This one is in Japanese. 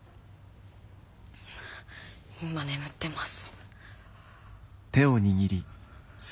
今眠ってます。